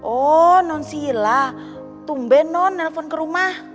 oh non sila tumbe non telfon ke rumah